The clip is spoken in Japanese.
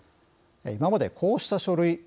今までこうした書類